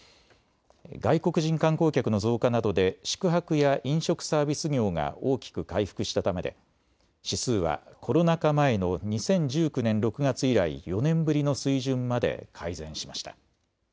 外国人観光客の増加などで宿泊や飲食サービス業が大きく回復したためで指数はコロナ禍前の２０１９年６月以来４年ぶりの水準まで改善しました。